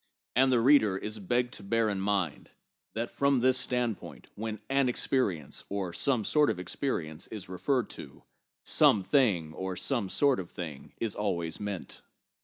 And the reader is begged to bear in mind that from this standpoint, when 'an experience' or 'some sort of experience' is referred to, 'some thing' or 'some sort of thing' is always meant.